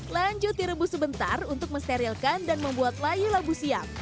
lanjut direbus sebentar untuk mensterilkan dan membuat layu labu siap